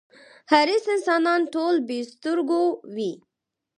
حریص انسانان ټول بې سترگو وي.